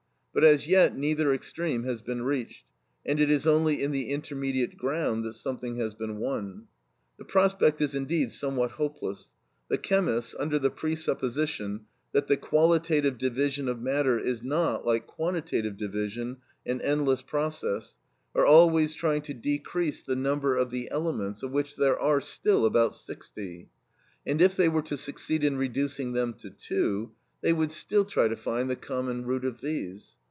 But as yet neither extreme has been reached, and it is only in the intermediate ground that something has been won. The prospect is indeed somewhat hopeless. The chemists, under the presupposition that the qualitative division of matter is not, like quantitative division, an endless process, are always trying to decrease the number of the elements, of which there are still about sixty; and if they were to succeed in reducing them to two, they would still try to find the common root of these.